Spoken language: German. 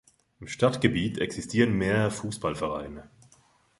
Im Stadtgebiet existieren mehrere Fußballvereine.